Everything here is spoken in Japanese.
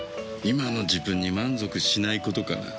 今の自分に満足しないことかな。